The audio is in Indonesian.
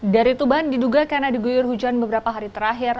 dari tuban diduga karena diguyur hujan beberapa hari terakhir